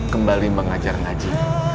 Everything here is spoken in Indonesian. kembali mengajar ngaji